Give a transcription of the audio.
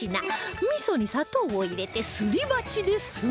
味噌に砂糖を入れてすり鉢でする